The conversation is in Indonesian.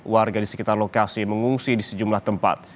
warga di sekitar lokasi mengungsi di sejumlah tempat